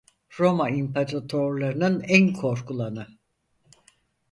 Roma imparatorlarının en korkulanı…